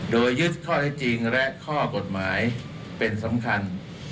โดยยึดข้อที่จริงและข้อกฎหมายเป็นสำคัญ